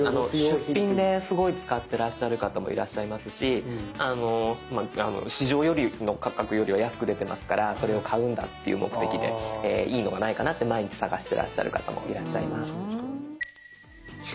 出品ですごい使ってらっしゃる方もいらっしゃいますし市場の価格よりは安く出てますからそれを買うんだっていう目的でいいのがないかなって毎日探してらっしゃる方もいらっしゃいます。